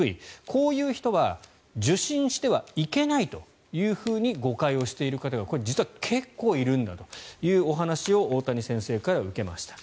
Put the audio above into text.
こういう人は受診してはいけないと誤解をしている方が実は結構いるんだというお話を大谷先生から受けました。